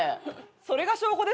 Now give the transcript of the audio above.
それが証拠ですって？